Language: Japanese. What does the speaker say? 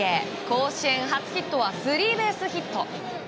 甲子園初ヒットはスリーベースヒット。